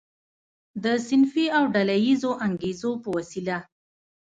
د صنفي او ډله ییزو انګیزو په وسیله.